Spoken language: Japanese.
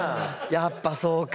やっぱそうか。